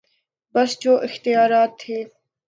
بس جو اختیارات تھے۔